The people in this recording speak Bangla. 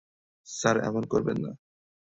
স্যার, এমন করবেন না।